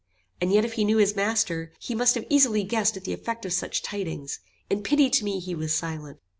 And yet if he knew his master, he must have easily guessed at the effect of such tidings. In pity to me he was silent."